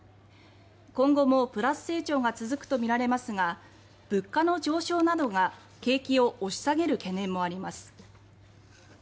今後もプラス成長が続くとみられますが物価の上昇などがが景気を押し下げる懸念もあります